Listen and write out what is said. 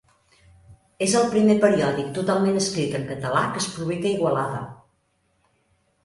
És el primer periòdic totalment escrit en català que es publica a Igualada.